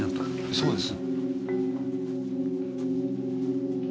そうです。